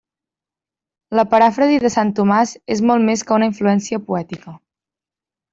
La paràfrasi de sant Tomàs és molt més que una influència poètica.